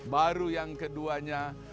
baru yang keduanya